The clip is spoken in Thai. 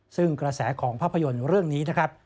ซึ่งกระแสของภาพยนตร์เรื่องนี้นะครับ